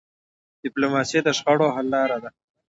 ډيپلوماسي د شخړو حل لاره ده.